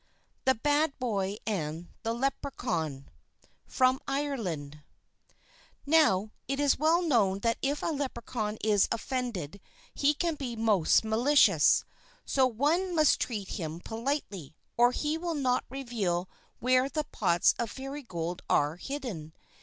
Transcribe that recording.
THE BAD BOY AND THE LEPRECHAUN From Ireland Now, it is well known that if a Leprechaun is offended he can be most malicious. So one must treat him politely, or he will not reveal where the pots of Fairy Gold are hidden.